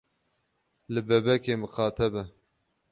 Li bebekê miqate be.